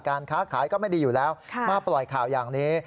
ค้าขายก็ไม่ดีอยู่แล้วมาปล่อยข่าวอย่างนี้